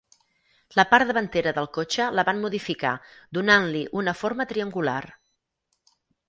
La part davantera del cotxe la van modificar donant-li una forma triangular.